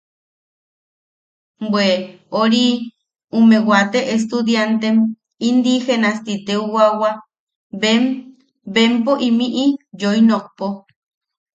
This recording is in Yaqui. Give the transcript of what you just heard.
Bwe, ori... ume waate estudiantem indigenas ti teteuwawa bem... bempo imiʼi yoinokpo.